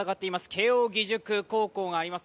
慶応義塾高校があります